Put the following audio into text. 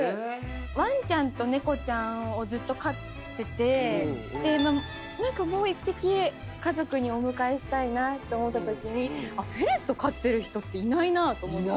ワンちゃんと猫ちゃんをずっと飼っててで何かもう１匹家族にお迎えしたいなと思った時にあっフェレット飼ってる人っていないなと思って。